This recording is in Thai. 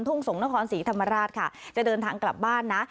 ่งสงศนครศรีธรรมราชค่ะจะเดินทางกลับบ้านนะ